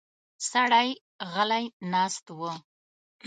سړی غلی ناست و.